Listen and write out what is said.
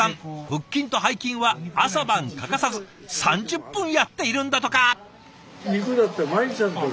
腹筋と背筋は朝晩欠かさず３０分やっているんだとか！